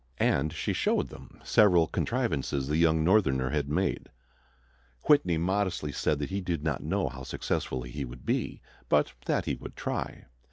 And she showed them several contrivances the young Northerner had made. Whitney modestly said that he did not know how successful he would be, but that he would try.